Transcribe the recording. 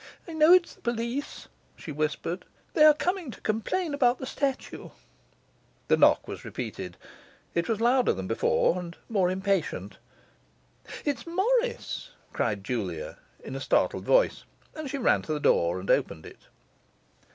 'I know it's the police,' she whispered. 'They are coming to complain about the statue.' The knock was repeated. It was louder than before, and more impatient. 'It's Morris,' cried Julia, in a startled voice, and she ran to the door and opened it.